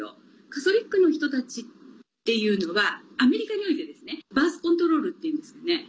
カトリックの人たちっていうのはアメリカにおいてバースコントロールっていうんですけどね。